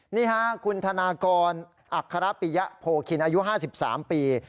นี่ค่ะคุณธนากรอัครปิยะโพคินอายุ๕๓ปี